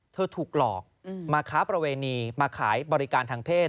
ถูกหลอกมาค้าประเวณีมาขายบริการทางเพศ